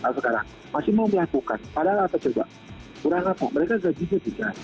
sekarang masih mau dilakukan padahal apa coba kurang apa mereka gagiknya bisa